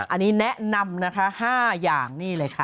อันนี้แนะนำนะคะ๕อย่างนี่เลยค่ะ